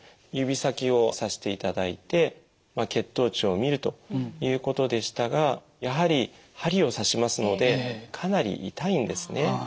指先を刺していただいて血糖値を見るということでしたがやはり針を刺しますのでかなり痛いんですね。